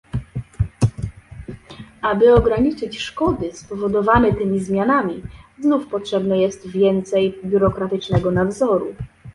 Aby ograniczyć szkody spowodowane tymi zmianami znów potrzebne jest więcej biurokratycznego nadzoru